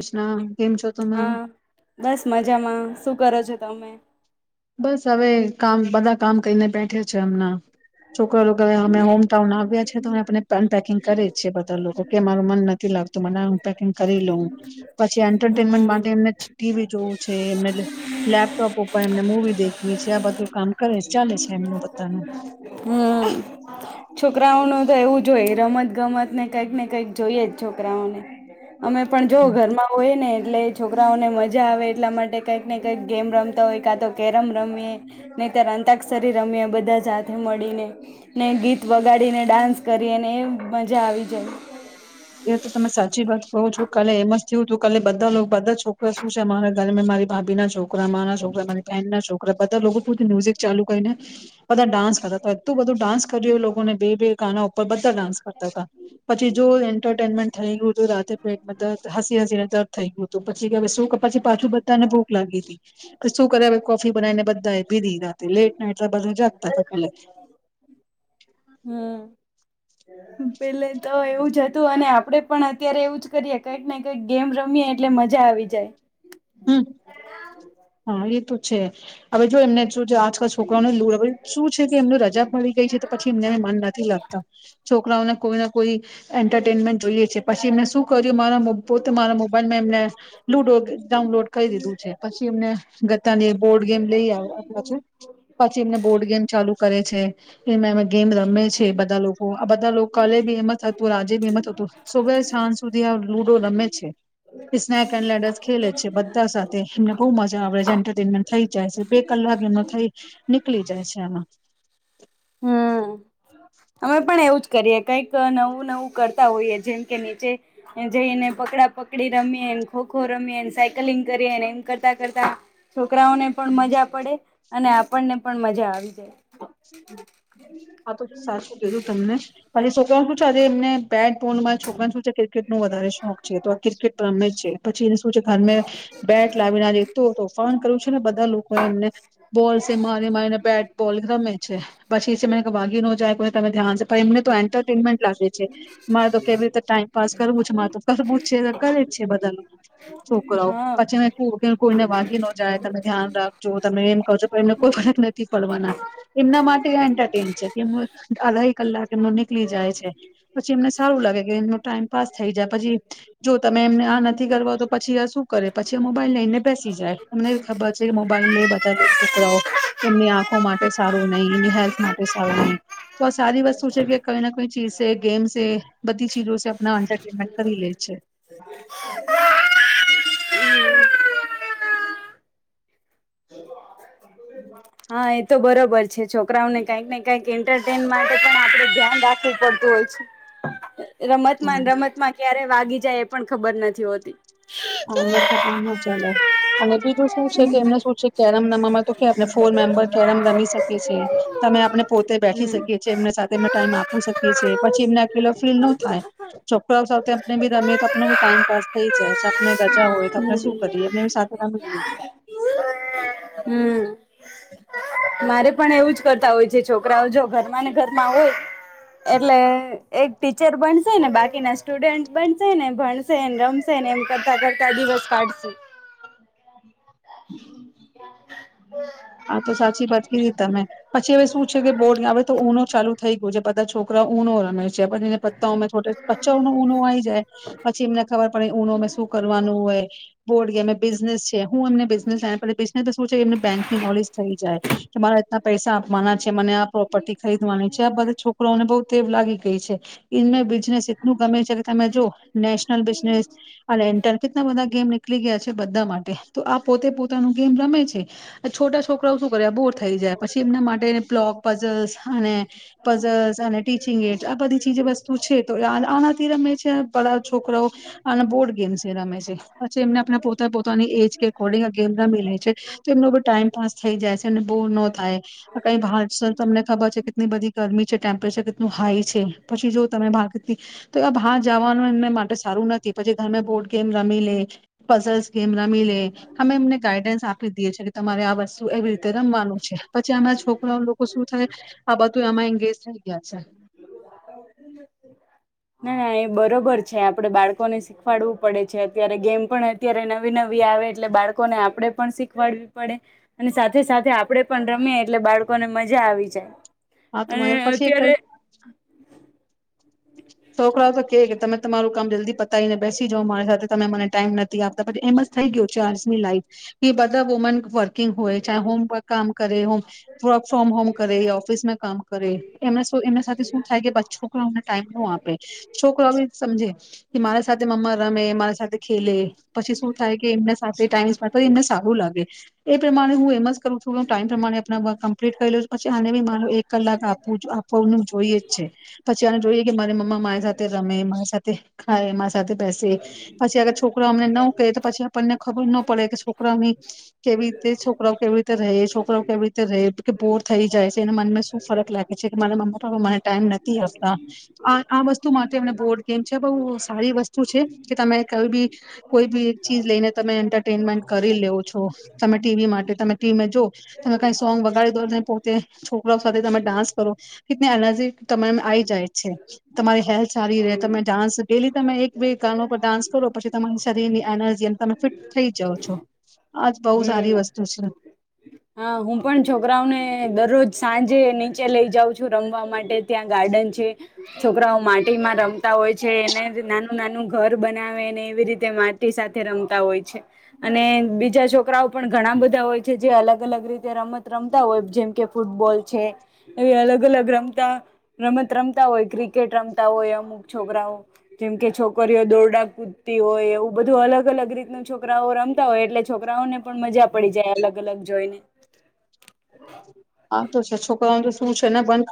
કૃષ્ણ કેમ છો તમે હા, બસ મજામાં. શું કરો છો‌ તમે? બસ હવે કામ બધા કામ કરીને બેઠે છે હમણાં. છોકરા લોકો હવે અમે હોમટાઉન આવ્યા છે તો હવે અમે પેન પેકિંગ કરી છીએ બધા લોકો. કે મારું મન નથી લાગતું, મને અમ પેકિંગ કરી લઉ. પછી અન્ટરટેનમેન્ટ હમ માટે એમને છે ટીવી જોવું છે, એ લે લેપટોપ ઉપર પણ એમને મુંવી દેખવી છે, આ બધું કામ કરે છે ચાલે છેએમનું બધાનું. હમ્મ, છોકરાઓનું તો એવું જ હોય રમત ગમતને કંઈક ને કંઈક જોઈએ જ છોકરાઓને. અમે પણ જો ઘરમાં હોય ને એટલે છોકરાઓને મજા આવે એટલા માટે કંઈક ને કંઈક ગેમ રમતા હોય, કાં તો કેરમ રમીએ નહી તો અંતાક્ષરી રમીએ બધા જા [unintelligible] સાથે મળીને, ને ગીત વગાડી ને ડાન્સ કરીને એ મજા આવી જાય. એ તો તમે સાચી વાત કહો છો, કાલે એમ જ થયુંતું કાલે બધા લો બધા છોકરા શું છે મારે ને મેં મારી ભાભી ના છો કરા, મારા છોકરા, મારી પેન ના છોકરા, બધા લોકો [unintelligible] મ્યુઝિક ચાલુ કરીને બધા ડાન્સ કરતા તા એતુ બધુ ડાન્સ કર્યું લોકોને બે બે ગાના ઉપર બધા ડાન્સ કરતા હતા, પછી જો એનમેન્ટ થઈલુ હતું રાતે પ્લેટમાં દ હસી હસીને દર્દ થઈ ગયું તું પછી કે હવે પછી પાછું બધાને ભૂખ લાગી તી પછી શું કરે હવે કોફી બનાવીને બધાએ પીધી રાત્રે લેટ નાઈટ [unintelligible] જાગતા કાલે. હમ પેલે તો એવું જ હતું અને આપડે પણ અત્યારે એવું જ કરીએ કંઈક ને કંઈક ગેમ રમીએ એટલે મજા આવી જાય. હમ. હ એ તો છે. હવે જો એમને શું છે આજકાલ છોકરાઓને લ હ શું છે કે એમને રજા પડી ગઈ છે તો પછી એમને મન નથી લાગતા [inaudible] કોઈ એન્ટરટેનમેન્ટ જોઈએ છે પછી એને શું કરું મારા પોતે મારા મોબાઈલમાં એમને લુડો ડાઉનલોડ કરી દીધું છે પછી એમને ગત્તાને બોર્ડ ગેમ લઈ આઓ.. આપડા છે [inaudible] પછી એમને બોર્ડ ગેમ ચાલુ કરે છે એમાં એવા ગેમ રમે છે બધા લોકો આ બધા લોકો કાલે બી એમ જ હતું આજે બી એમ જ હતું સવાર સાંજ સુધી આ લુડો રમે છે સ્નેક એન્ડ લેડૅસ ખેલે છે.. બધા સાથે એમને બહુ મજા આવે છે એન્ટરટેનમેન્ટ થઈ જાય છે બે કલાક એનો થઈ નીકળી જાય છે એમાં.. હમ્મ. અમે પણ એવું જ કરીએ કઈક નવું નવું કરતા હોઈએ જેમ કે નીચે જઈને પકડા પકડી રમીએને ખો ખો રમીએને સાયકલિંગ કરીએ એમ કરતા કરતા છો છોકરાઓને પણ મજા પડે.. અને આપણને પણ મજા આવી જાય. હા તો સાચું કીધું તમને.. પછી છોકરાઓ શું છે આજે એમને બેટ બોલ મારા છોકરાને શું છે ક્રિકેટ નો વધારે શોખ છે તો આ ક્રિકેટ પણ રમે જ છે પછી એ શું છે.. ઘરમે બેટ લાવીને એટલો તોફાન કર્યું છે ને બધા લોકો એ એમને બોલ છે મારી મારીને બેટ બોલ રમે.. પછી છે ને ભાગી ન જાય કે તમે ધ્યાન છે પણ એમને તો એન્ટરટેનમેન્ટ લાગે છે મારે તો કેવી રીતે ટાઈમ પાસ કરવું છે મારે તો કરવું જ છે ને કરે છે બધા લોકો હા પછી મે ખુબ કોઈને વાગી ન જાય તમે ધ્યાન રાખજો તમે એમ કરજો પણ એમને કોઈ ફરક નથી પડવાના.. એમના માટે આ એન્ટરટેન છે કે એમ આધા એક કલાક એમનો નીકળી જાય છે પછી એમને સારું લાગે કે એમનો ટાઈમ પાાસ થઈ જાય પછી જો તમે એમને આ નથી કરવા દો પછી આ શું કરે પછી આ મોબાઈલ લઈને બેસી જાય એમને ખબર છે કે મોબાઈલ લે બધા છોકરાઓ એમની આંખો માટે.. સારું નહી એની હેલ્થ માટે સારું નહી તો આ સારી વસ્તુ છે કે કોઈ કોઈ ચીજસે ગેમસે બધી ચીજોસે અપના એન્ટરટેમેન્ટ કરી લે છે.. હા એ તો બરોબર છે છોકરાઓને કંઈક ને કઈક એન્ટરટેન માટે પણ આપડે ધ્યાન રાખવું પડતું હોય છે.. રમતમાં હમ ને રમત માં ક્યારે વાગી જાય એ પણ ખબર નથી હોતી. ઑનલાઇન.. ન ચાલે અને બીજું શું છે કે એમને શું છે કેરમ રમવામાં તો કે ફોર મેમ્બર કેરમ રમી શકીએ છે તમે આપણે પોતે હમ. બેઠી હમ શકીએ છીએ એમને સાથે એમ ટાઈમ આપી શકીએ છએ પછી એમને અકેલો ફીલ ન થાય છોકરાઓ સાથે આપણે ભી રમીએ તો આપણો બી ટાઈમપસ થઈ જાય છે.. આપણે રજા હોય તો આપણે શું કરીએ એમને સાથે રમી લઈએ.. મારે પણ એવું જ કરતા હોય છે છોકરાઓ જો ઘરમાં ને ઘરમાં હોય એટલે એક ટીચર બનશેને બાકીના સ્ટુડન્ટ બનશે ને ભણશેને રમશેને એમ કરતા કરતા દિવસ કાઢશે હા તો સાચી વાત કીધી તમે પછી હવે શું છે કે બોર્ડ આવે તો ઉનો ચાલુ થઈ ગયો છે બધા છોકરા ઉનો રમે છે.. છે બધે પતાઓમા પછી ઉનો આવી જાય પછી એમને ખબર પડે ઉનો ને શું કરવાનું હોય બોડ ગેમ ને બિઝનેસ છે હું એમને બિઝનેસ આપણે બિઝનેસ શું છે એમને થઈ જાય કે મારે આ પૈસા આપવાના છે મને આ પ્રોપર્ટી ખરીદવાની છે આ બધા છોકરાને બહુ ટેવ લાગી ગઈ છે એમને બિઝનેસ એટલું ગમે છે કે તમે જો નેશનલ બિઝનેસ અને એન્ટલ કેટલા બધા ગેમ નીકળી ગયા છે બધા માટે તો આ પોતે પોતાનું ગેમ રમે છે આ છોટા છોકરાઓ શું કરે બોર થઈ જાય પછી એમના માટે પ્લોગ પઝલ્સ અને પઝલ્સ અને ટીચિંગ એજ આ બધી ચીજ વસ્તુ છે તો આનાથી રમે છે બધા છોકરાઓ આના બોર્ડ ગેમ્ રમે છે પછી એમને આપણા પોતે પોતાની એજ કે અકોર્ડિંગ આ ગેમ રમી લે છે તો એમને ટાઈમપાસ થઈ જાય છે અને બોર ન થાય કઈક બહાર છો તો તમને ખબર છે કેટલી બધી ગરમી છે ટેમ્પરેચર કેટલું હાઈ છે પછી જો તમે બાર કેટલી તો બહાર જવાનું એમને તે સારું નથી પછી ઘરમે બોર્ડ ગેમ રમી લે પઝલ્સ ગેમ રમી લે અમે એમને ગાઈડન્સ આપી દીએ છે તમારે આ બ તું એવી રીતે રમવાનું છે. પછી એમના છોકરાઓ લોકો શું થાય આ બધું એમાં એંગેજ થઈ ગયા છે. ના ના એ બરોબર છે આપડે બાળકોને શીખવાડવું પડે છે અત્યારે ગેમ પણ અત્યારે નવી નવી આવે એટલે બાળકોને આપણેે પણ શીખવાડવી પડે અને સાથે સાથે આપડે પણ રમીએ એટલે બાળકોને મજા આવી જાય. હા તો અને મારે પછી એક અત્યારે છોકરાઓ તો કે કે તમે તમારું કામ જલ્દી પતાવીને બેસી જાાવ મારી સાથે તમે મને ટાઈમ નથી આપતા પછી એમ જ થઈ ગયો ચની લાઈફ એ બધા વુમન વર્કિંગ હોય ચા હોમર્ કામ કરે હોમ વર્ક ફ્રોમ હોમ કરે ઓફિસ માં કામ કરે એમના એના સાથે શું થાય કે બચ છોકરાઓ ને ટાઈમ હું આપે છોકરો બી સમજે કે મારા સાથે મમ્મા રમે મારી સાથે ખેલે પછી શું થાય કે એમને સાથે ટાઈમ સ્પ કરી એમને સારું લાગે એ પ્રમાણે હું એમ જ કરું છું કે ટાઈમ પ્રમાણે કમ્પ્લીટ કરી લઉ છું પછી આને બી મારો એક કલાક આપ આપવાનું જોઈએ જ છે પછી ને જોઈએ કે મારી મમ્મા મારી સાથે રમે મારી સાથે ખાય મા સાથે બેસે પછી આગર છોકરો અમને ન ક તો પછી આપણને ખબર ના પડે કે છોકરાઓની કેવી રીતે છોકરાઓ કેવી રીતે રહે છોકરાઓ કેવી રીતે રહે બોર થઈ જાય છે એને મન શું ફરક લાગે છે કે મારા મમ્મા પાપા મને ટાઈમ નથી આપ આ વસ્તુ માટે એમને બોર્ડ ગેમ છે બહ સારી વસ્તુ છે કે તમે કઈ બી કોઈ બી, ચીજ લઈને તમે એન્ટરટેનમેન્ટ કરી લેવ છો, તમે ટીવી માટે તમે ટીવીમે જો, તમે કઈ સોંગ વગાડી દો પોતે છોકરાઓ સાથે તમે ડાન્સ કરો, કેને એનર્જી તમે આ જાય છે, તમારી હેલ્થ સારી રહે તમે હમ ડાન્સ ડેલી તમે એક બે ગાનો પર ડાન્સ કરો પછી તમારી શરીરની એનર્જી અને તમે ફિટ થઈ જાઓ છો. આજ બહુ સારી હમ વસ્તુ છે. હા હું પણ છોકરાઓને દરરોજ સાંજે નીચે લઇ જાઉં છું રમવા માટે ત્યાં ગાર્ડન છોકરાઓ માટે. માં રમતા હોય છે એને નાનું નાનું ઘર બનાવેને એવી રીતે માટી સાથે રમતા હોય છે, અને બીજા છોકરાઓ પણ ઘણા બધા હોય છે જે અલગ અલગ અલગ રીતે રમત રમતા હોય જેમ કે ફૂટબોલ છે, એ અલગ અલગ રમતા રમત રમતા હોય ક્રિકેટ રમતા હોય અમુક છોકરાઓ, જેમકે છોકરીઓ દોરડા કૂદતી હોય એવું બધું અલગ અલગ રીત ન છોકરાઓ રમતા હોય એટલે છોકરાઓને પણ મજા પડી જાય અલગ અલગ જોઈને. [inaudible] આ તો છે છોકરાઓને તો શું છે ને બંધ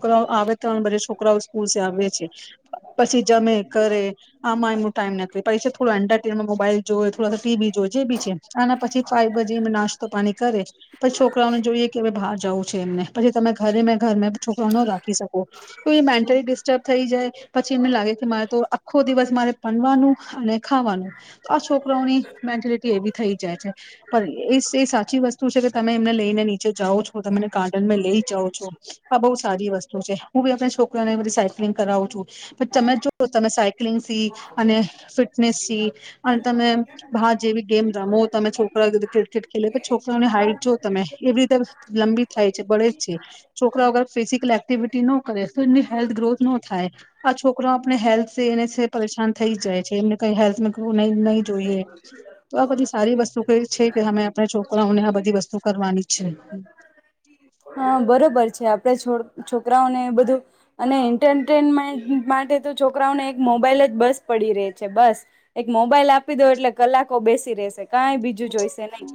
છ આવે ત્રણે છોકરા. આવ છે, પછી જમે કરે, આમાં એમનો ટાઈમ કળે પરીક્ષા થો એન્ટરમે મોબાઈલ જોઈ થોડા ટીવી જોજે બી છે અનેના પછી ફાય ભજી નાસ્તો પાણી કરે. પછી છોકરાઓને જોઈએ કે હવે બહાર જવું છે એમને પછી તમે ઘરે મે છોકરો ન રાખી શકો. થઈ જાય પછી એમને લાગે કે મારે તો આખો દિવસ મારે પનવાનું, અને ખાવાનું. આ છોકરાઓની મેન્ટેલિટી એવી થઈ જાય છે, પણ એ એ સાચી વસ્તુ તમે એમને લઈને નીચે જાઓ છો. તમે ગાર્ડનમાં લઈ જાઓ છો. આ બહુ સારી વસ્તુ છે. હુ છોકરા ઓને બધ સાયક્લિંગ કરાવું છું. પણ તમે જો તમે સાયક્લિંગ સી અને ફિટનેસ સી અને તમે બાર જેવી ગેમ રમો તમે છોકરાધું ક્રિકેટ ખેલે છોક ની હાઈટ જો તમે એવી રીતે લંબી થાઈ છે બઢે જ છે છોકરા અગર ફિઝિકલ એક્ટિવિટી નો કરે તો એમની હેલ્થ ગ્રોથ નો થાય આ છોકરો આપણે હેલ્થ પરેશાન થઈ જાય છે એમને કઈ હેલ્થ નઈ જોઈએ તો આ બધી સારી વસ્તુ ક છે કે આપ છો અમને આ બધી વસ્તુ કરવાની છે. હા બરોબર છે આપડે છો છોકરાઓને બધું અને એન્ટરટેનમેન્ટ માટે તો છોકરાઓને એક મોબાઈલ જ બસ પડી ર છે બસ એક મોબાઈલ આપી દો એટલે કલાકો બેસી રે શકે. કાઈ બીજું જોઈશે નહી.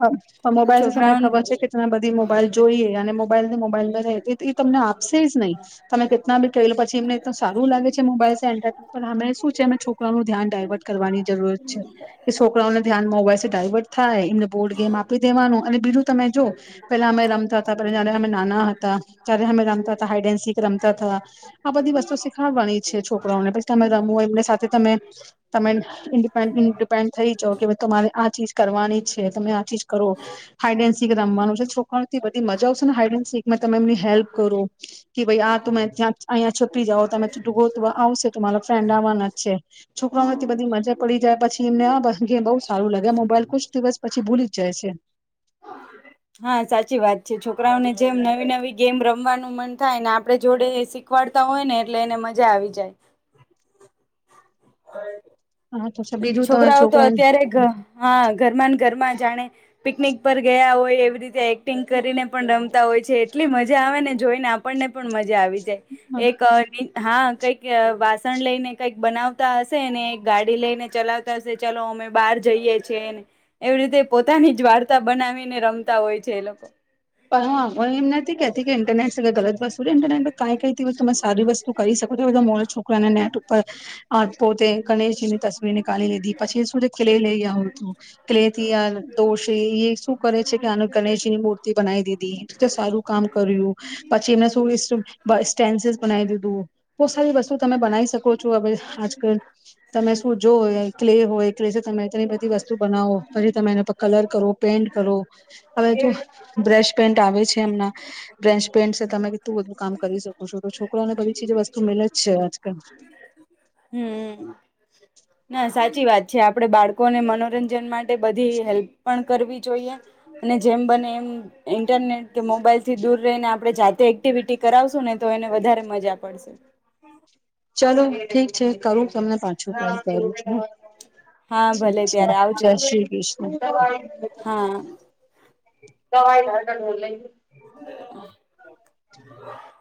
હ તો મોબાઈલ તને છોકરાઓને ખબર છે કેત ના બધા મોબાઈલ જોઈએ અને મોં મોબાઈલ ને મોબાઈલ અર રહે એ તમને આપશે જ નહીં તમે કેટલા બી ક પછી એમને સારું લાગે છે મોબાઈલ એન્ટર અમે શું છે અમે છોકરાઓનું ધ્યાન ડાયવર્ટ કરવાની જરૂરત છે કે છોકરાઓને ધ્યાન મોબાઈલસે ડાયવર્ટ થ થાઈ એમને બોડ ગેમ આપી દેવાનું અને બીજું તમે જો પેલા અમે રમતા હતા [unintelligible] નાના હતા ત્યારે અમે રમતા હતા હાઈડ એન્ડ સીખ રમતા હતાા આ બધી વસ્તુ શીખાવાની છે છોકરાને પછી તમે રમવું હોય એમની સાથે તમે તમે ડીપેન્ડ થઈ જાવ કે તમારે. ચીજ કરવાની છે તમે આ ચીજ કરો હાઈડે એન સીક રમવાનું છે છોકરાને થી બધી મજા આવશે ને હાઇડ એન શીખમાં તમે એમની હેલ્પ કરો. કે ભાઈ આ તુમે ત્યાં અહીંયા છૂપી જાવ તમે ડૂગો ત આવશે ત મારા ફ્રેન્ડ આવવાના જ છે છોકરાઓ નેથી બધી મજા પડી જાય પછી એમને બઉુ સારું લાગે મોબાઈલ. કુછ દિવસ પછી ભૂલી જ જાય છે. હા સાચી વાત છે. છોકરાઓને જેમ નવી-નવી ગેમ રમવાનું મન થાય, ને આપડે જોડે શીખવાડતા હોય ને એટલે એને મજા આવી જાય. [inaudible] હા તો બીજું તમારા છોકરાઓ તો છોકરાને અત્યારે ઘ, હા. ઘરમાંન ઘરમાં જાણે પિકનિક પર ગયા હોય એવી રીતે એક્ટિંગ કરીને પણ રમતા હોય છે, એટલી મજા આવે ને જોઈને આપણને પણ મજા આવી જાય. એક અહ [unintelligible] હા. કંઈક વાસણ લઈને કંઈક બનાવતા હશે, ને ગાડી લઈને ચલાવતા હશે, ચલો અમે બહાર જઈએ છે ને, એવી રીતે પોતાની જ વાર્તા બનાવીને રમતા હોય છે એ લોકો. પ હ હું એમ નથી કેત કે ઇન્ટરને. [unintelligible] [unintelligible] ઈન્ટરનેટ પર તમે કાંઈ-કાંઈ થી તમે સારી વસ્તુ કરી શકો છો, બધા [unintelligible] છોકરાને નેટ ઉપર અહ પોતે ગણેશજી ની તસવીર નીકાળી લીધી, પછી શું છે ક્લે લઈ આવું તું, ક્લે થી દોષ ઈ-ઈ શું કરે છે કે આને ગણેશજીની મૂર [unintelligible] દીધી, એ તો સારું કામ કર્યું, પછી એમને શ [unintelligible] સ્ટેન્સીસ બનાઈ દીધું, બહુ સારી વસ્તુ તમે બનાવી શકો છો હવે આજકલ, તમે શું જો ક્લે હોય ક્લેથી તમે ઘણી બધી વસ્તુ બનાવો, પછી તમે એના પર કલર કરો, પેઇન્ટ કરો, હવે જો બ્રશ પેઈન્ટ આવે છે એમના, બ્રશ પેઈન્ટ સે તમે તું બધું કામ કરી શકો છો તો છોકરાને બધી ચીજ વસ્તુ મલે જ છે આજકાલ. હમ ના સાચી વાત છે આપણે બાળકોને મનોરંજન માટે બધી હેલ્પ પણ કરવી જોઈએ અને જેમ બને એમ ઇન્ટરનેટ કે મોબાઈલ થી દૂર રહીને આપણે જાતે. એક્ટિવિટી કરાવશો ને તો એને વધારે મજા પડશે. ચાલો ઠીક છે કરું તમને પાછું કોલ કરું હા છુ ભલે ત્યારે ઠીક છે આવજો જય શ્રી કૃષ્ણ. હા દવાઈ [unintelligible] [inaudible]